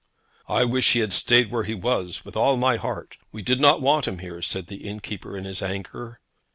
'I wish he had stayed where he was with all my heart. We did not want him here,' said the innkeeper in his anger.